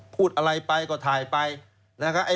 พูดอะไรไปก็ถ่ายไป